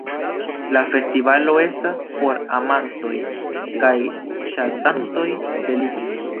La festivalo estas por amantoj kaj ŝatantoj de lingvoj.